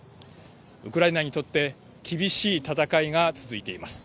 ウクライナにとって厳しい戦いが続いています。